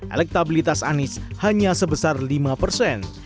elektabilitas anies hanya sebesar lima persen